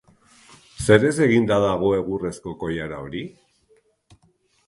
Zerez eginda dago egurrezko koilara hori?